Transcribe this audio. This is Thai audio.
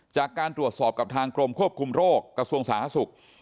จากการตรวจสอบกับทางกรมควบคุมโรคกระทรวงสาธารณสุข